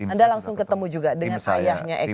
anda langsung ketemu juga dengan ayahnya eko